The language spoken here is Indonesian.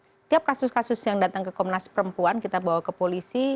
setiap kasus kasus yang datang ke komnas perempuan kita bawa ke polisi